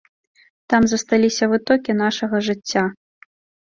Там засталіся вытокі нашага жыцця.